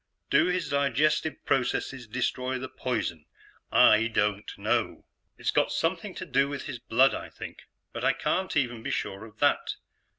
"Do his digestive processes destroy the poison? I don't know. "It's got something to do with his blood, I think, but I can't even be sure of that.